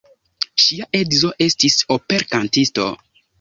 Ŝia edzo estis operkantisto.